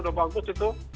sudah bagus itu